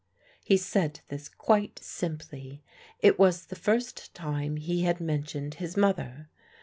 He said this quite simply. It was the first time he had mentioned his mother.